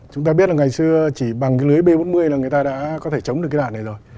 chúng ta biết là ngày xưa chỉ bằng cái lưới b bốn mươi là người ta đã có thể chống được